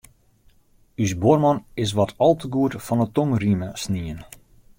Us buorman is wat al te goed fan 'e tongrieme snien.